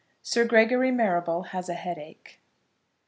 SIR GREGORY MARRABLE HAS A HEADACHE.